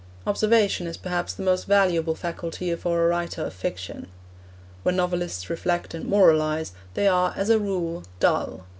Observation is perhaps the most valuable faculty for a writer of fiction. When novelists reflect and moralise, they are, as a rule, dull.